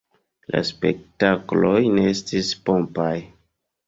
La spektakloj ne estis pompaj.